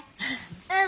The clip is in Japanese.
うん。